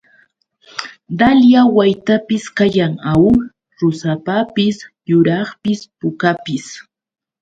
Dalya waytapis kayan, ¿aw? Rusapapis yuraqpis pukapis.